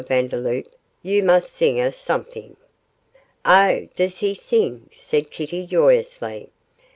Vandeloup, you must sing us something.' 'Oh, does he sing?' said Kitty, joyously.